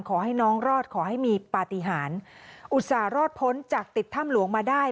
ขอให้น้องรอดขอให้มีปฏิหารอุตส่าห์รอดพ้นจากติดถ้ำหลวงมาได้